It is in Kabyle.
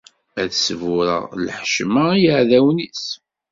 Ad sburreɣ lḥecma i yiɛdawen-is.